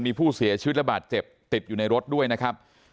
มีผู้เสียชีวิตระบาดเจ็บติดอยู่ในรถด้วยนะครับ